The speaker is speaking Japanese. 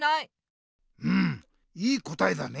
うんいいこたえだね！